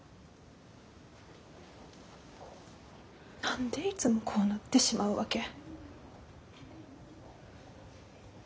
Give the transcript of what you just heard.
何でいつもこうなってしまうわけ？